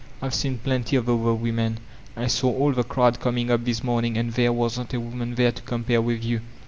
"I've seen plenty of other women ; I saw all the crowd coming up this mom* ing and there wasn't a woman there to compare with you.